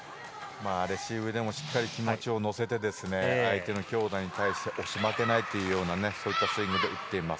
レシーブでもしっかり気持ちを乗せて相手の強打に対して押し負けないというようなスイングで打っています。